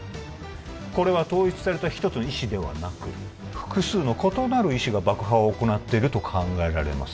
これは統一された一つの意志ではなく複数の異なる意志が爆破を行っていると考えられます